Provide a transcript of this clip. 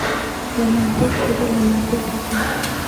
لە ماددەی خوری و لە ماددەی کەتان